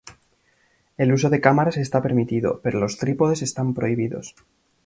El uso de cámaras está permitido, pero los trípodes están prohibidos.